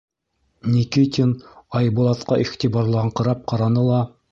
Никитин Айбулатҡа иғтибарлаңҡырап ҡараны ла: